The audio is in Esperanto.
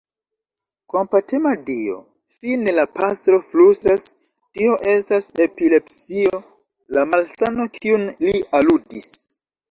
Kompatema Dio! fine la pastro flustras, tio estas epilepsio, la malsano, kiun li aludis.